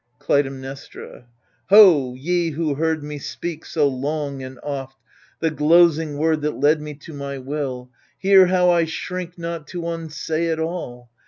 Clytemnestra Ho, ye who heard me speak so long and oft The glozing word that led me to my will — Hear how I shrink not to unsay it all